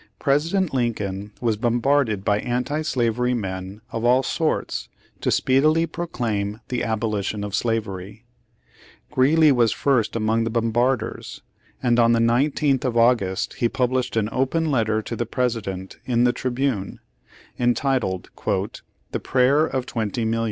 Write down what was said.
President Lincoln was bom barded by anti slavery men of all sorts to speedily proclaim the abolition of slavery. Greeley was first among the bombarders, and on the 19th of August he published an "open letter" to the Presi dent in the Tribune, entitled "The Prayer of ^Our Tresidents and How V»'e Make Them.